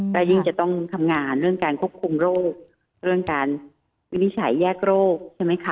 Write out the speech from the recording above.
ก็ยิ่งจะต้องทำงานเรื่องการควบคุมโรคเรื่องการวินิจฉัยแยกโรคใช่ไหมคะ